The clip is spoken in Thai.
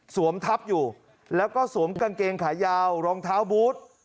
ทับอยู่แล้วก็สวมกางเกงขายาวรองเท้าบูธ